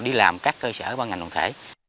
đi làm các cơ sở và ngành đồng thể